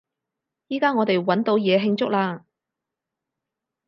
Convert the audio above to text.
依加我哋搵到嘢慶祝喇！